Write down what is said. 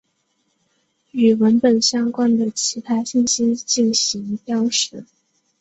与文本相关的其他信息进行标识。